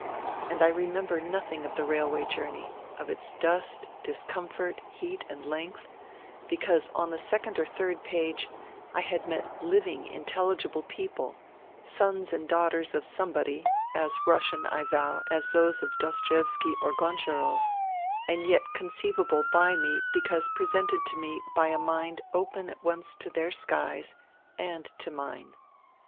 And I remember nothing of the railway journey, of its dust, discomfort, heat and length, because, on the second or third page, I had met living intelligible people, Sons and daughters of Somebody, as Russian, I vow, as those of Dostoevsky or Goncharov, and yet conceivable by me because presented to me by a mind open at once to their skies and to mine.